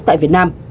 tại việt nam